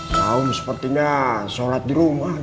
saum sepertinya sholat di rumah aja